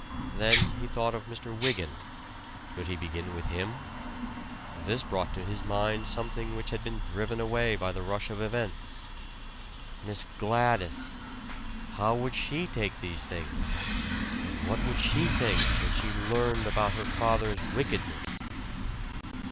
Then he thought of Mr. Wygant; should he begin with him? This brought to his mind something which had been driven away by the rush of events. Miss Gladys! How would she take these things? And what would she think when she learned about her father's wickedness?